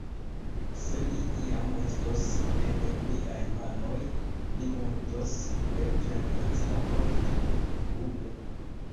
Se li iam estos en miaj manoj, li mortos ne per facila morto, hundo!